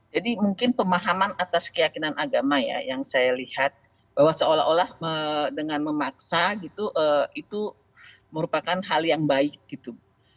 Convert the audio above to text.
jadi mungkin pemahaman atas keyakinan agama ya yang saya lihat bahwa seolah olah dengan memaksa gitu itu merupakan hal yang baik gitu